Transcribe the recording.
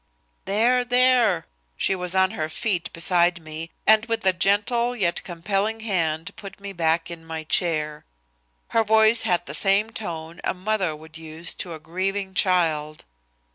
"There, there." She was on her feet beside me and with a gentle yet compelling hand put me back in my chair. Her voice had the same tone a mother would use to a grieving child.